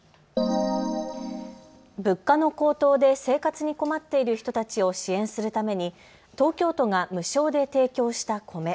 物価の高騰で生活に困っている人たちを支援するために東京都が無償で提供した米。